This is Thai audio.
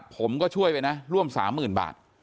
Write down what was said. ผมก็ช่วยไปนะร่วม๓๐๐๐บาท